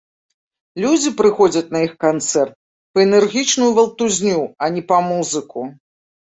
Людзі прыходзяць на іх канцэрт па энергічную валтузню, а не па музыку.